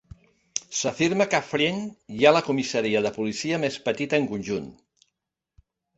S'afirma que a Friend hi ha la comissaria de policia més petita en conjunt.